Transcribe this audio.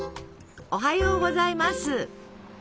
おはようございます。